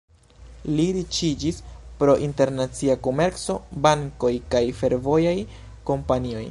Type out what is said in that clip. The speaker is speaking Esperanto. Li riĉiĝis pro internacia komerco, bankoj kaj fervojaj kompanioj.